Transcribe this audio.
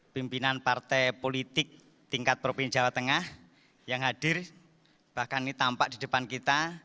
pimpinan partai politik tingkat provinsi jawa tengah yang hadir bahkan ini tampak di depan kita